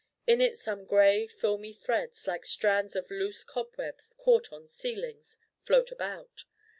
In it some gray filmy threads, like strands of loose cobwebs caught on ceilings, float about.